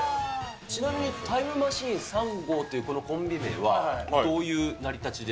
ちなみにタイムマシーン３号っていうこのコンビ名は、どういう成り立ちで？